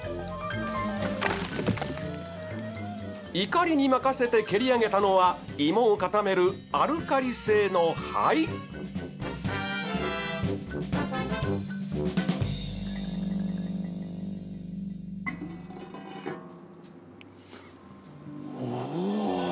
怒りに任せて蹴り上げたのは芋を固めるおお！